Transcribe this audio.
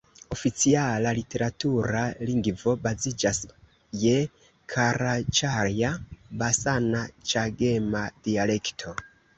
Oficiala literatura lingvo baziĝas je karaĉaja-basana-ĉegema dialekto.